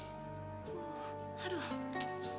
aduh malas deh gue dengernya